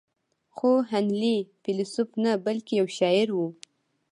خو هنلي فيلسوف نه بلکې يو شاعر و.